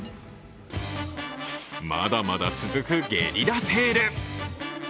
まだまだ続くゲリラセール。